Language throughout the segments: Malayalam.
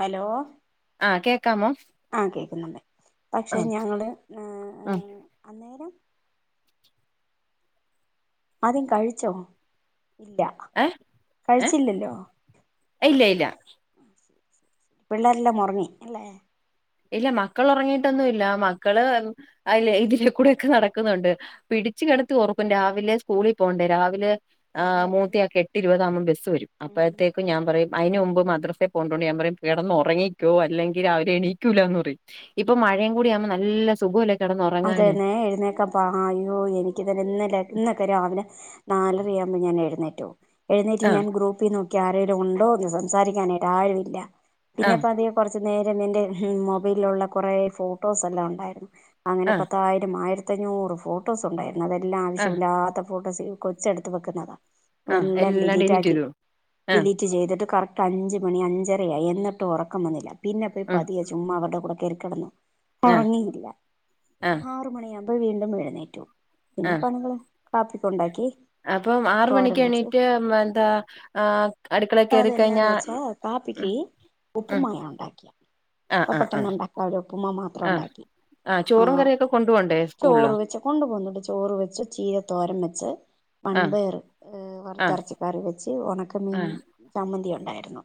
ഹലോ ആഹ് കേക്കാമോ ആഹ് കേക്കുന്നുണ്ട് പക്ഷെ ആഹ് ഞങ്ങള് ഏ ആഹ് അന്നേരം ആദ്യം കഴിച്ചോ ഇല്ല ഏഹ് ഏഹ് കഴിച്ചില്ലല്ലോ ഇല്ല ഇല്ല പിള്ളേരെല്ലാം ഒറങ്ങി അല്ലേ ഇല്ല മക്കൾ ഒറങ്ങീട്ടൊന്നും ഇല്ല മക്കള് അല്ല ഇതിലെ കൂടെ ഒക്കെ നടക്കുന്നുണ്ട് പി ടിച്ച് കെടത്തി ഒർക്കും രാവിലെ സ്കൂളിൽ പോകണ്ടേ രാവിലെ ആ അതെ അതെ അതെ മൂത്ത്യാക്കെ എട്ട് ഇരുപത് ആമ്പോ ബസ് വരും ഉം അപ്പഴ്ത്തേക്കും ഞാൻ പറയും അയ്ന് മുമ്പ് മദ്രസെ പോണ്ടോണ്ട് ഞാൻ പറയും കെടന്ന് ഒറങ്ങിക്കോ അല്ലെങ്കിൽ രാവിലെ എണീ ക്കൂലാന്ന് പറിം ഇപ്പൊ മഴേം കൂടിയാവുമ്പോ നല്ല സുഖല്ലേ കിടന്ന് അതെ ഉറങ്ങാന് നേ എഴുന്നേക്കാൻ പാടാ അയോ എനിക്കിതന്നെ [unintelligible] നാലരയാമ്പോ ഞാ എഴുന്നേറ്റോ എഴുന്നേറ്റ് ആഹ് ഞാൻ ഗ്രൂപ്പി നോ ക്കി ആരേലും ഒണ്ടോ എന്ന് സംസാരിക്കാനായിട്ട് ആരു ഇല്ല ആഹ് പിന്നെപ്പം അധിക കൊർ ച് നേരം എന്റെ മൊബൈലിലുള്ള കുറെ ഫോട്ടോസ് എല്ലാം ഒണ്ടായിരുന്നു അങ്ങനെ ആഹ് പത്തായിരം ആയിര് പത്തഞ്ഞൂറ് ഫോട്ടോസ് ഒണ്ടായിരുന്നു അതെല്ലാം ആവശ്യമ ആഹ് ഇില്ലാത്ത ഫോട്ടോസ് കൊച്ചെടുത്ത് വെക്കുന്നതാണ് ആഹ് വെല്ലാം എല്ലാം ഡിലീറ്റ് ആക്കി ചെയ്തു ആഹ് ഡിലീറ്റ് ചെയ്തിട്ട് കറ റ്റഞ്ചു മണി അഞ്ചരയയി എന്നിട്ട് ഒറക്കം വന്നില്ല പിന്നെ പൊയി ഉം പതിയ ചുമ്മ അവരുടെ കടെ കയറി കെടന്നു ആഹ് ഒറങ്ങിയില്ല ആഹ് ആറ് മണി ആമ്പോ വീണ്ടും എഴുന്നേറ്റു ആഹ് പിന്നെ പണികള് കാപ്പിക്കൊണ്ടാക്കി അപ്പം ആറ് മണിക്ക് എണീറ്റ് എന്താ ആ അതെന്നാന്ന് വെച്ചാ കാപ്പിക്കി ഉപ്പും ഉം മാവാണൊണ്ടാക്കിയ ആഹ് ആഹ് പെട്ടെന്ന് ആഹ് ഒണ്ടാക്കാല്ലോ ഉപ്പ്മ മാത്രം ആഹ് ഒണ്ടാക്കി ആഹ് ആ ചോറും കറിയൊക്കെ കൊണ്ടു പോണ്ടേ സ്കൂളിലോ ചോറ് വെച്ച് കൊണ്ടു പോന്നുട്ടണ്ട് ചോറ് വെച്ച് ചീര തോരം വെച്ച് ആഹ് വൺപേയർ ഏ ആഹ് വറുത്തരച്ച് കറി വെച്ച് ഒണക്കമീൻ ചമ്മന്തി ഒണ്ടായിരുന്നു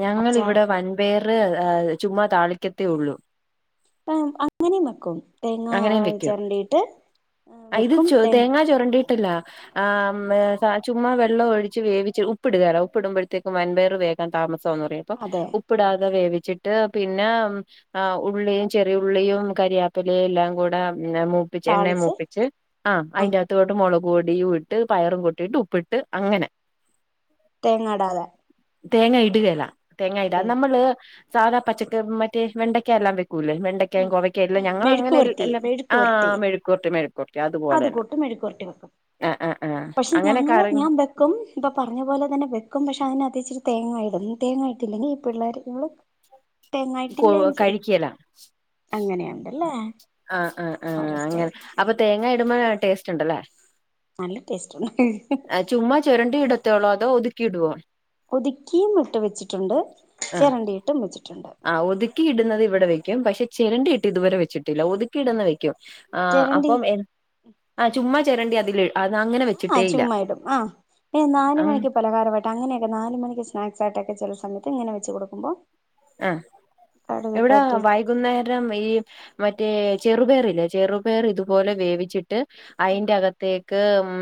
ഞങ്ങിവിടെ വൻപേർ ഏ ചുമ്മാ താളിക്കത്തേ ഒള്ളൂ ആ അങ്ങനെ വെക്കും തേങ്ങാ അങ്ങനെയും വെക്കും ചരണ്ടീട്ട് വെക്കും ത ട്ടല്ല ഏ മ ന്താ ചുമ്മാ വെള്ളം ഒഴിച്ച് വേവിച്ച് ഉപ്പിടുകേല ഉപ്പിടുമ്പഴ്ത്തേക്കും വൻപയറ് വേ ക താമസോന്ന് പറിം അപ്പൊ അതെ ഉപ്പിടാതെ വേവി ച്ചിട്ട് പിന്നെ എ ഉള്ളിയും ചെറിയുള്ളിയും കരിയാപ്പലേം എല്ലാം കൂടെ മൂപ്പിച്ച് എണ്ണേ താളിച്ച് മൂപ്പിച്ച് ആ അയ്ന്റാകത്തോട്ട് മൊള ഗോടിയും ഇട്ട് പയറും കൊട്ടിട്ട് ഉപ്പിട്ട് അങ്ങനെ തേങ്ങാടാതെ തേങ്ങ ഇടുകേല്ല തേങ്ങ ഇടാ ഇടുക നമ്മള് സാധാ പച്ചക്ക മറ്റേ വെണ്ടയ്ക്ക എല്ലാം വെ കൂലെ വെണ്ടയ്ക്കായും ഉം കോവയ്ക്ക എല്ലാം ഉം ഞങ്ങൾ മെഴുക്ക് അങ്ങനെൽ പുരട്ടി എല്ലാം മെഴുക്ക് ആ പുരട്ടി മെഴിക്കൂർ അത് കൂട്ട് മെഴിക്കുർട്ടി വെക്കും ആഹ് ആഹ് ആഹ് പക്ഷെ അങ്ങനെ ഞങ്ങള് കറി ഞാൻ വെക്കും ഇപ്പൊ പർഞ്ഞ പോലെ തന്നെ വെക്കും പക്ഷെ അതിന ഇച്ചിരി തേങ്ങായിടും തേങ്ങായിട്ടില്ലെങ്കി ഈ പിള്ളേര് കൊ തെങ്ങായിട്ടില്ലെ ചോയ് കഴിക്കല അങ്ങനെയൊണ്ടല്ലേ ആ ആഹ് ആ അങ്ങനെ അപ്പൊ തേങ്ങ ഇടുമ്പോ ടേസ്റ്റൊണ്ടല്ലേ നല്ല ടേസ്റ്റ് ഉണ്ട് ചുമ്മ ചൊരണ്ടി ഇടത്തേ ഒളോ അതോ ഒതുക്കി ഇടുവോ ഒതുക്കീം ഇട്ട് വെച്ചിട്ടൊണ്ട് ആഹ് ചെരണ്ടീട്ടും വെച്ചിട്ടുണ്ട് ആഹ് ഒതുക്കി ഇടുന്നത് ഇവിടെ വെയ്ക്കും പക്ഷെ ചെരണ്ടീട്ട് ഇതുവരെ വെച്ചിട്ടില്ല ഒതുക്കി ഇട്ന്നെ വെ ആ ചിരണ്ടി അപ്പം എ ചുമ്മ ചൊരണ്ടി അതിൽ ആഹ് ചുമ്മായിടും ആ നാല് ആഹ് മണിക്ക് പലഹാരവായിട്ട് അങ്ങനെക്കെ നാല് മണിക്ക് സ്നാക്സ് ആയ്ട്ടൊക്കെ ചെല സമയത്ത് ഇങ്ങനെ വെച്ച് കൊടുക്കുമ്പൊ ആ എവിടെ വൈകുന്നേരം ഈ മറ്റേ ചെറുപേർ ഇല്ലേ ചെറുപേർ ഇതുപോലെ വേവിച്ചിട്ട് അയിന്റെ അകത്തേക്ക് ഉം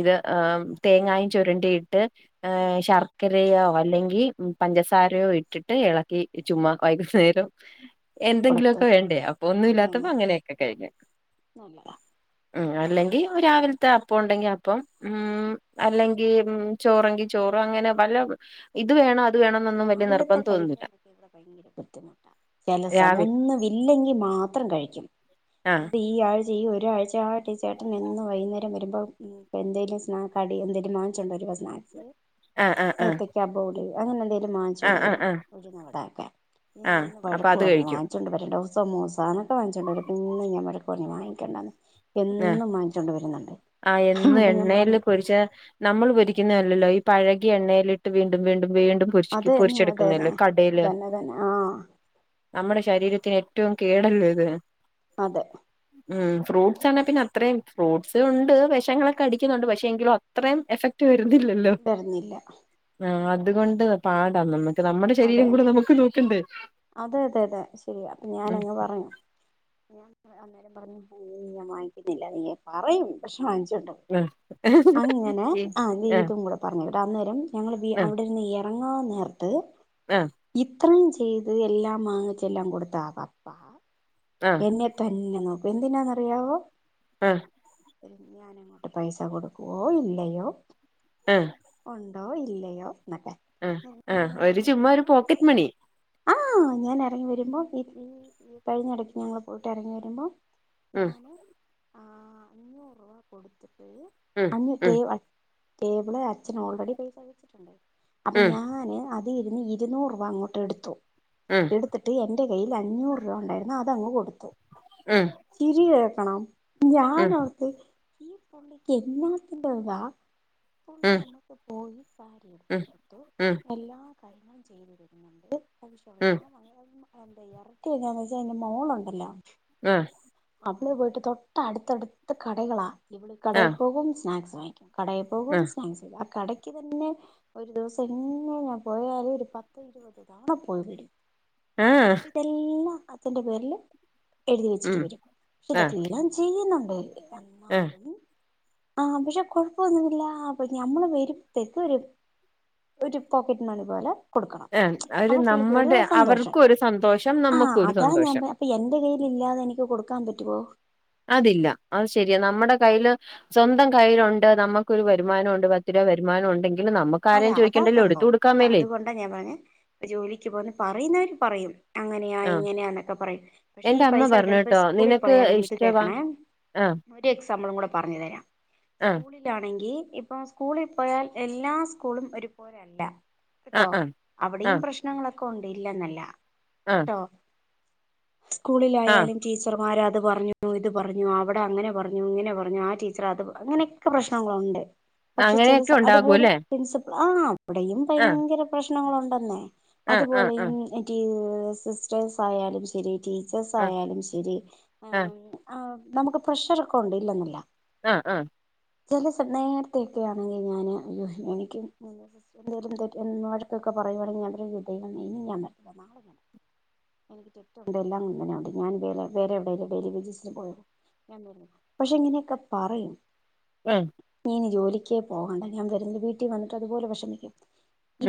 ഇത് ഏ തേങ്ങായും ചുരുണ്ടിയിട്ട് ഏ ശർക്കെരയോ അല്ലെങ്കി പഞ്ചസാരയോ ഇട്ടിട്ട് എളക്കി ചുമ്മാ വൈകുന്നേരം കൊടുത്ത് എന്തെങ്കിലൊക്ക വേണ്ടേ അപ്പൊ ഒന്നും അതന്നെ ഇല്ലാത്തപ്പോ അങ്ങനെയൊക്കെ കഴിു നല്ലതാ ഉ അല്ലെങ്കിൽ രാവിലത്തെ അപ്പം ഉണ്ടെങ്കിൽ അപ്പം ഉ അല്ലെങ്കിൽ ചോറ് ങ്കിൽ ചോറ് അങ്ങനെ വല്ല ഇത് വേണം അത് വേണ എന്നൊന്നും വല നിർ രാവിലത്തെ കഴിക്കാനൊക്കെ ഇവിടെ ഭയങ്കര ബുദ്ധിമുട്ടാണ് ചിലസമയം രാവിലെ ഒന്നും ഇില്ലെങ്കിൽ മാത്രം കഴിക്കും ആഹ് ഡ ആ [unintelligible] ചെയ ഈ ഒരാഴ്ച ആ ടീ ചേട്ടൻന്ന് വൈുന്നേരം വരുമ്പോൾ ഇപ്പോൾ എന്തേങ്കിലും സ്നാ കടി എന്തെങ്കിലും വാങ്ങിച്ചുകണ്ട് വരും സ്നാക്സ് ആഹ് ആഹ് ആഹ് ഏത്തക്ക അബോഡ അങ്ങനെ എന്തെങ്കിലും വാങ്ങിച്ചു കൊണ്ട് ആഹ് ആഹ് വരും ആഹ് ഉഴുന്ന് വടൊക്കെ ഞനി ആഹ് ഇന്ന് അപ്പൊ വഴക്ക് അത് പറഞ്ഞു കഴിക്കും വാങ്ങിച്ചുകോണ്ട് വരേണ്ടം സമൂസ അങ്ങനത്തെ വാങ്ങിച്ചു കൊണ്ടരും പിന്ന ഞൻ പറഞ്ഞു വാങ്ങിക്കണ്ടായിന്ന് ആ ആ എന്നും അപ്പൊ ഞാൻ എണ്ണൽ പറഞ്ഞു പൊരിച്ചാ നമ്മൾ പൊരിക്കുന്ന ല്ലോ ഈ പഴകി എണ്ണയിലിട്ട് വീണ്ടും വീണ്ടും വീണ്ടും പരി അത് തന്നെ അത് തന്നെ പൊരിച്ചെടുക്കുന്നല്ല കടയില് അതന്നെ അതന്നെ ആഹ് നമ്മുടെ ശരീരത്തി ത്തിന് ഏറ്റവും കേടല്ലോ ഇത് അതെ ഉം ഫ്രൂട്ട് വ പിന്നെ അത്രയും ഫ്രൂട്ട്സ് ഉണ്ട് വിഷങ്ങളൊക്കെ അടിക്കുന്നുണ്ട് പക്ഷെ എങ്കിലും അത്രയും എഫക്ട്. [unintelligible] തരുന്നില്ല ആ അതുകൊണ്ട് പാടാ നമ്മ അതെന്നെ അതെ അതെ അതെ ശരിയാ അപ്പ ഉം ഞാനങ്ങ് പറഞ്ഞു ഞാൻ അന്നേരം പറഞ്ഞുഞാൻ വാങ്ങിക്കുന്നില്ല നീ പറയും പക്ഷെ വാങ്ങിച്ച. അ [inaudible] ഇങ്ങനെ ആ ആഹ് ലീതും കൂടെ പറഞ്ഞ അന്നേരം ഞങ്ങൾ അവിടെരുന്ന് ഇറങ്ങാൻ നേർത്ത് ആഹ അത്രയും ചെയ്ത് എല്ലാം വാങ്ങിച്ച എല്ലാം കൊടുത്താ അപ്പാ ആഹ് എന്നെതന്നെ നോ അപ്പൊ [inaudible] എന്തിനാെന്നറിയാവോ ആഹ ഞാനങ്ങോട്ട് പൈസ കൊടുക്കുവോ ഇല്ലയോ ആഹ ആോ ഇല്ലയോ എന്നൊക്കെ ആ ഞാൻ ആ ഒരു ഇറങ്ങി ചുമ്മാ ഒരു വരുമ്പോ പോക്കറ്റ് മണി ആ... ഞാൻ ഇറങ്ങി വരുമ്പോൾ ഈ ഈഈ കഴിഞ്ഞ ഇടയ്ക്ക് ഞങ്ങൾ പോയിട്ട് ഇറങ്ങി വരുമ്പോൾ. ഉം ഞാന് ആ.. ഹ അഞ്ഞൂറ് രൂപ കൊടുത്ത്. ഉം അ ന്നിട്ട് ഉം ടേബിള് അച്ഛന് ഓൾറെഡി പൈസ വെച്ചിട്ടുണ്ട് അപ്പൊ ഉം ഞാന് അതി ഇരുന്ന് ഇരുന്നൂറ് രൂപ അങ്ങോട്ട് എടുത്തു ഉം എടുത്തിട്ട് എ ന്റെ കയ്യിൽ അഞ്ഞൂറ് രൂപ ഉണ്ടായിരുന്നു അത്ങ്ങ് കൊടുത്തു ഉം ചിരി കേൾക്കണം. ഞാന് ഉം ഓർത്ത് ഈ പുള്ളിക്ക് എന്നാ ത്തിന്റെയാ പുള്ളി ഉം അമ്മക്ക് പോയി സാരി എടുത്ത് ഉം കൊടുത്തു ഉം എല്ലാ- കാര്യണം ചെയ്തു തരുന്നുണ്ട് [inaudible] ശ ഉം എ ഇറക്കി എാന്ന് വച്ചാൽ. മോളുണ്ടല്ലോ ആഹ് അവിടെ പോയിട്ട് തൊട്ട് അടുത്തടുത്ത കടകളാണ് കടയിൽ ആഹ് പോകും സ്നാക്സ് വാങ്ങിക്കും.. കടയിൽ പോകും ആഹ് സ്നാക്സ് കടക്ക് തന്നെ ഒരു ദിവസം എങ്ങെ ഞാൻ പോയാല് ഒരു പത്ത് ഇരുപത് തവണ പോയി വിടി ആഹ് ഇതെല്ലാം അച്ഛന്റെ പേരില് എഴുതി വെച്ചിട്ട് ഉം വരും ആഹ് ആഹ് [unintelligible] ആഹ പക്ഷെ കൊഴപ്പൊന്നുമില്ലപ്പ ഞമ്മള് വരു തേക്ക് വരും ഒരു പോക്കറ്റ് മണി പോല്ലേ കൊടുക്കണം ആഹ് അവര് അപ്പൊ പുള്ളിക്ക് ഒരു നമ്മടെ സന്തോഷം അവർക്കും ഒരു സന്തോഷം ആ... നമുക്കും ഒരു അതാ ഞാൻ സന്തോഷം അപ്പൊ എന്റെ കയ്യിലെ ഇല്ല എനിക്ക് കൊടുക്കാൻ പറ്റുവോ അതില്ല അത് ശരിയാ ന വരുമാനം ഉണ്ടെങ്കിൽ. നമുക്ക് അതാ ആരെയും അതാ ചോദിക്കണ്ടല്ലോ എടുത്ത് സംഭവം. കൊടുക്കാൻ അതാ മേലേ അതുകൊണ്ടാ ഞാൻ പറഞ്ഞെ ജോലിക്ക് പോന്നെ പറയ്ന്നവര് പറയും അങ്ങനെയാ ആഹ് ഇങ്ങനെയാന്നൊക്കെ പറയും. പക്ഷെ ഈ എന്റെ അമ്മ പൈസ പറഞ്ഞു കിട്ടും ഇപ്പൊ കേട്ടോ സ്കൂളിൽ നിനക്ക് പോയാല് നിനക്ക് ഇഷ്ടവാ കേക്കണം ആഹ് ഒരു എക്സാമ്പിളും കൂടെ പറഞ്ഞു തരാം ആഹ് സ്കൂളിലാണെങ്കി ഇപ്പൊ സ്കൂളി പോയാൽ എല്ലാ സ്കൂളും ഒരുപോലല്ല കേട്ടോ ആഹ് ആഹ് അവിടെയും ആഹ് പ്രശ്നങ്ങളൊക്കെ ഉണ്ട്. ഇല്ലെന്നല്ല ആഹ് കേട്ടോ ആഹ് സ്കൂളിലായാലും ടീച്ചറ് മാരത് പറഞ്ഞു ഇത് പറഞ്ഞു അവിടെ അങ്ങനെ പറഞ്ഞു ഇങ്ങനെ പറഞ്ഞു ആ ടീച്ചർ അത് അങ്ങനെയൊക്കെ പ്രശ്നങ്ങളുണ്ട് പക്ഷെ ചില അങ്ങനെയൊക്കെ സ അതുപോലെ ഉണ്ടാകൂല്ലേ പ്രിൻസിപ്പൽ ആ അവിടെയും ആഹ് ഭയങ്കര പ്രശ്നങ്ങളുണ്ടെന്നേ. ആഹ് ആഹ് അതുപോലെയും ആഹ് മറ്റേ സിസ്റ്റേഴ്സ് ആയാലും ശരി ടീച്ചേർസ് ആഹ് ആയാലും ശരി ഈഹ് ആഹ് നമുക്ക് പ്രഷർ ഒക്കെ ഉണ്ട് ഇല്ലെന്നെല്ല ആഹ് ആഹ് ചില സമ നേരത്തെയൊക്കെ ആണെങ്കി ഞാന് അയ്യോ എനിക്കും [unintelligible] എനിക്ക് ചുറ്റുമുണ്ട് എല്ലാം ഇങ്ങനെണ്ട് ഞാൻ വേറെ വേറെ എവിടെലും ഡെയ്‌ലി വേജസിന് പോയാലോ പക്ഷെ ഇങ്ങനെയൊക്കെ പറയും ആ നീ ഇനി ജോലിക്കേ പോകണ്ട ഞാൻ വെറുതെ എന്റെ വീട്ടിൽ വന്നിട്ട് അതുപോലെ വെഷമിക്കും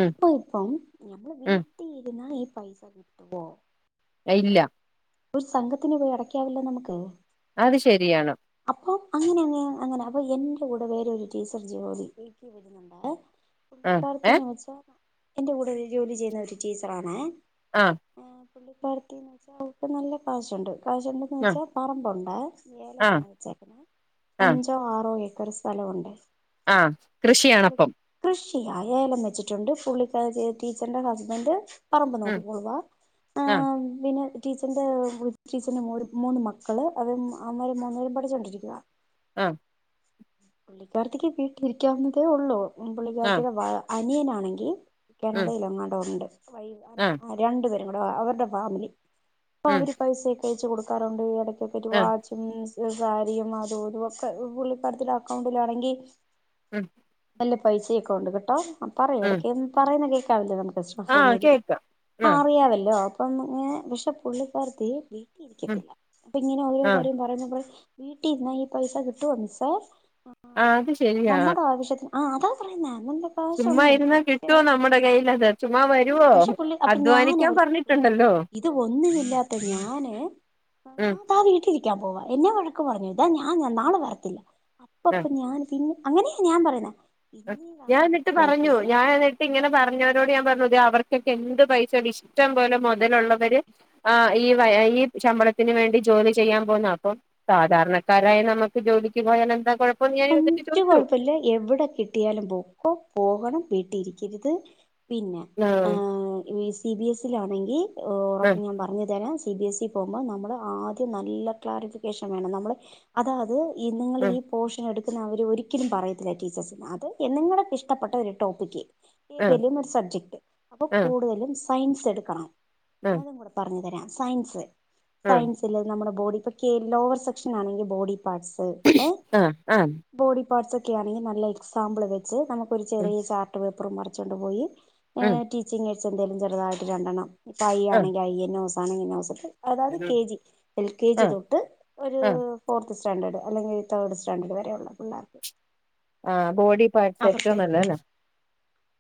ഉം ഇപ്പം ഞമ്മള് ഉം വീട്ടിൽ ഇരുന്നാൽ ഈ പൈസ കിട്ടുവോ ഇല്ല ഒരു സംഘത്തിന് പോയി അടക്കാവല്ലോ നമ്ക്ക് അത് ശരിയാണ് അപ്പൊ അങ്ങനെ അങ്ങനെ അങ്ങനെ അത് എന്റെ കൂടെ വേറെ ഒരു ടീച്ചർ ജോലിക്ക് വര്ന്ന്ണ്ടാവേ ആ ഏ പുള്ളിക്കാരത്തീന്ന് വെച്ചാ, എന്റെ കൂടെ ഒരു ജോലി ചെയ്യുന്ന ഒരു ടീച്ചറാണേ. ആ ഏഹ് പുള്ളിക്കാരത്തീന്ന് വെച്ചാ അവർക്ക് നല്ല കാശുണ്ട് കാശുണ്ടെന്ന് ആ വെച്ചാ പറമ്പുണ്ടേ. ഇച്ചിരി ആ ഏലമാണ് വെച്ചേക്കുന്നേ. ആ അഞ്ചോ ആറോ ഏ ക്കറ് സ്ഥലമുണ്ടേ ആ കൃഷിയാ കൃഷി ആ ഏലം വെച്ചിട്ടുണ്ട് പുള്ളിക്കാരൻ ടീച്ചറിന്റെ ഹസ്ബൻഡ് പറമ്പ് ഉം നോക്കിക്കോളുവേ. ആ ഈഹ് പിന്നെ ടീച്ചർന്റെ ടീച്ചർന്റെ മൂന്ന് മക്കള് അവര് അവൻമാര് മൂന്ന്പേരും പഠിച്ചോണ്ടിരിക്കാ ആ പുള്ളിക്കാരത്തിക്ക് വീട്ടിലിരിക്കാവുന്നതേ ഉള്ളൂ. ആ പുള്ളിക്കാരത്തിയുടെ വ അനിയനാണെങ്കി ഉം കാനഡയിലെങ്ങാണ്ടോ ഉണ്ട്. ആ രണ്ടു പേരും കൂടെ അവരുടെ ഫാമിലി അപ്പൊ ഉം അവര് പൈസൊക്കെ അയച്ച് കൊടുക്കാറ്ണ്ട് എടക്കൊക്കെ ഒരു ആ വാച്ചും സാരിയും അതും ഇതും ഒക്കെ പുള്ളിക്കാരത്തീടെ അക്കൗണ്ടിലാണെങ്കി ഉം നല്ല പൈസയൊക്കെ ഉണ്ട് കേട്ടോ. ആ പറയും ഉം എടയ്ക്ക് പറയുന്ന കേക്കാവല്ലോ ആ നമു [unintelligible] കേക്കാം ആ അറിയാവല്ലോ അപ്പം പക്ഷെ പുള്ളിക്കാരത്തി വീ ട്ടി ഉം ഇരിക്കത്തില്ല. അപ്പൊ ഇങ്ങനെ ഓരോ ആ കാര്യം പറയുമ്പോ വീട്ടി ഇരുന്നാ ഈ പൈസ കിട്ടുവോ മിസ്സേ ആ അത് ശരിയാ നമ്മുടെ ആവശ്യത്തിന് ആ അതാ പറയ്ന്നേ ഉണ്ട് ചുമ്മാ കാശുണ്ട്. ഇരുന്നാ പക്ഷെ കിട്ടുവോ നമ്മുടെ കയ്യിലത് ചുമ്മാ വരുവോ പക്ഷെ പുള്ളി അപ്പൊ ഞാൻ അധ്വാനിക്കാൻ ഓർത്തു പറഞ്ഞിട്ടുണ്ടല്ലോ ഇത് ഒന്നുമില്ലാത്ത ഞാന് ഞാൻ ഉം ആ താൻ വീട്ടിലിരിക്കാൻ പോവാ എന്നെ വഴക്ക് പറഞ്ഞു. ഇതാ ഞാൻ നാളെ വരത്തില്ല. അപ്പൊ ആ തന്നെ ഞാൻ പിന്നെ അങ്ങനെയാ ഞാൻ പറയുന്നേ ഞാ പിന്നീടാണ് എന്നിട്ട് പറഞ്ഞു മനസ്സിലാക്കിയത് ഞാൻ എന്നിട്ട് ഇങ്ങനെ പറഞ്ഞവരോട് ഞാൻ പറഞ്ഞു അവർക്കൊക്കെ എന്ത് പൈസണ്ട് ഇഷ്ടം പോലെ മൊതലുള്ളവര് ഈ ഈ ശമ്പളത്തിന് വേണ്ടി ജോലി ചെയ്യാൻ പോന്നാ. അപ്പം സാധാരണക്കാരായ നമുക്ക് ജോലിക്ക് പോയാൽ എന്താ കൊഴ ഒരു കൊഴപ്പില്ല എവിടെ കിട് കിട്ടിയാലും പോക്കോ പോകണം വീട്ടി ഇരിക്കരുത് പിന്നെ ആ സി ബി എസ് സിൽ ആണെങ്കിൽ ആ ഉറപ്പ് ഞാൻ പറഞ്ഞു തരാം സി ബി എസ് സി പോകുമ്പോൾ നമ്മള് ആദ്യം നല്ല ക്ലാരിഫിക്കേഷൻ വേണം നമ്മള് അതാ അത് നിങ്ങൾ ആ ഈ പോഷ എടുക്കുന്ന അവർ ഒരിക്കലും പറയത്തില്ല ടീച്ചേഴ്ന്ന് അത് നിങ്ങൾക്ക് ഇഷ്ടപ്പെട്ട ഒരു ടോപ്പിക്ക് ആ ഏതെലും ഒരു സബ്ജക്ട് അപ്പൊ ആ കൂടുതലും സയൻസ് എടുക്കണം ആ ആ അതും കൂടെ പറഞ്ഞു തരാം സയൻസ് ആ സയൻസിലത് നമ്മുടെ ബോഡി ഇപ്പൊ ലോവർ സെക്ഷൻ ആണെങ്കിൽ ബോഡി പാർട്സ് ഏ ആ ആ പാട്സ് ഒക്കെ ആണെങ്കിൽ നല്ല എക്സാമ്പിൾ വെച്ച് നമുക്ക് ഒരു ചെറിയ ചാർട്ട് പേപ്പറും മുറിച്ചുകൊണ്ട്പോയി ഏ ടീച്ചിംങ് വെച്ച് എന്തെലും ചെറുതായിട്ട് രണ്ടണ്ണം ഇപ്പം അയ്യ് ആ ആണെങ്കിൽ അയ്യ് എന്നെ നൊസ് ആണെങ്കിൽ നൊസ് അതായത് K G, L K G ആ തൊട്ട് ഒരു ആ ഫോർത്ത് സ്റ്റാൻഡേർഡ് അല്ലെങ്കിൽ തേർഡ് സ് രണ്ട് വരെയുള്ള പിള്ളാർക്ക് ആ ബോഡി പാർട്ട്സ് ഏറ്റവും നല്ലല്ല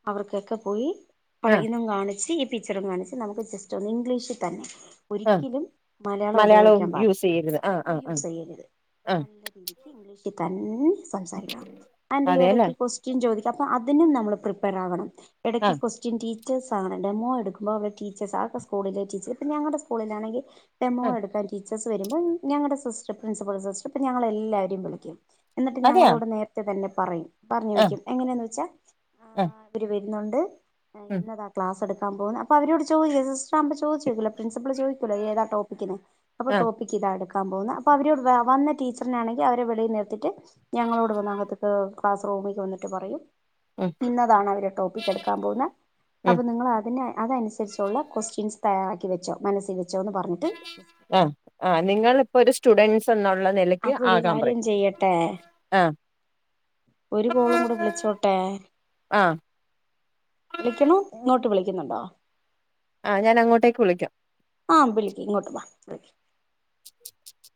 അവർക്കൊക്കെ പോയി ഇപ്പ ആ ഇനം കാണിച് ടീച്ചറും കാണിച്ച് നമുക് ജസ്റ്റ് ഒന്ന് ഇംഗ്ലീഷിൽ തന്നെ ആ ഒരിക്കലും മലയാളം മലയാളവും ഉപയോഗിക്കാൻ പാടി യൂസ് ചെയ്യരുത് ആ ഓ ആ ആ യൂസ് ചെയ്യരുത് ആ നല്ല രീതിക്ക് ഇംഗ്ലീഷിൽ തന്നെ സംസാരിക്കണം അതിറെ അതെല്ലേ ഇടയ്ക്ക് ക്വസ്റ്റ്യൻ ചോദിക്കാം അപ്പ അതിനും നമ്മൾ പ്രിപ്പയർ ആകണം ആ ഇടക്ക് കൊസ്റ്റൻ ടീ [unintelligible] ഡെമോ എടുക്കുമോൾ അവടെ ടീച്ചർസ് ആ സ്കൂളില ടീച്ചർ പിന്ന ഞങ്ങളുടെ സ്കൂളിലാണങ്കി ഡെമോ ആ എടുക്കാൻ ടീച്ചേഴ്സ് വരുമ്പോൾ ഞങ്ങടെ സിസ്റ്റം പ്രിൻസിപ്പൾ സിസ്റ്റം ഞങ്ങളെല്ലാവരും വിളിക്കും- എന്നിട്ട് അതെയാ ഞങ്ങളോട് നേരത്തെ തന്നെ പറയും പറഞ്ഞു ആ വെക്കും എങ്ങനെയന്ന് വെച്ചാൽ ആ ഒരു വരുന്നുണ്ട് ഉം ഇന്നതാ ക്ലാസ്സ്‌ട് അപ്പൊ അവരോട് ചോദിക്ക് [unintelligible] പ്രിൻസിപ്പൾ ചോദിക്കല്ലോ നീ ഏത ടോപ്പിന് അപ്പൊ ആ ടോപ്പിക്ക് ഇതാ എടുക്കാൻ പോകുന്ന അപ്പൊ അവരോട് വന്ന ടീച്ചറിനാണെങ്കിൽ അവരെ വെളി നിർത്തിട്ട് ഞങ്ങളോട് വന്ന അകത്തേക്ക് ക്ലാസ് റൂമിലക്ക് വന്നിട്ട് പറയും ഉം ഇന്നതാണ് അവര് ടോപ്പിക്ക് എടുക്കാൻ പോകുന്നത് ഉം അപ്പൊ നിങ്ങൾ അതിന് അത് അനുസരിച്ചുള്ള ക്വസ്റ്റ്യൻസ് തയ്യാറാക്കി വെച്ചോ മനസ്സിൽ വെച്ചോന്ന് പറഞ്ഞിട്ട് ആ ആ നിങ്ങള് ഇപ്പോ ഒരു സ്റ്റുഡന്റ്സ് എന്ന് അപ്പൊ ഒരു കാര്യം ചെയ്യട്ടെ ആഹ് ഒരു കോളും കൂടെ വിളിച്ചോട്ടെ- ആഹ് വിളിക്കണോ ഇങ്ങോട്ട് വിളിക്കുന്നുണ്ടോ ആഹ് ഞാൻ അങ്ങോട്ടേക്ക് വിളിക്കാം ആ വിളിക്കി ഇങ്ങോട്ട് വ [inaudible]